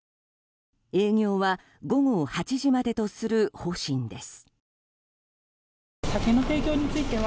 営業は午後８時までとする方針です。